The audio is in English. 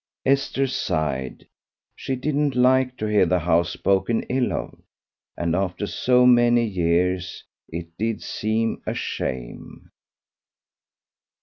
Esther sighed. She didn't like to hear the house spoken ill of, and after so many years it did seem a shame.